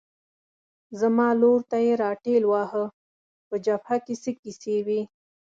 زما لور ته یې را ټېل واهه، په جبهه کې څه کیسې وې؟